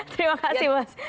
terima kasih mas